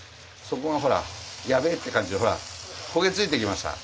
底がほらやべえって感じでほら焦げ付いてきました。